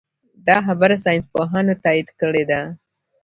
دا خبره ساینس پوهانو تایید کړې ده.